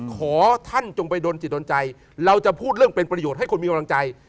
ขอท่านจงไปโดนจิตโดนใจเราจะพูดเรื่องเป็นประโยชน์ให้คนมีกำลังใจ